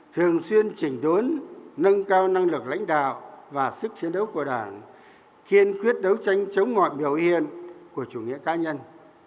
thường xuyên trình đốn nâng cao năng lực lãnh đạo và sức chiến đấu của đảng kiên quyết đấu tranh chống mọi biểu hiện của chủ nghĩa cá nhân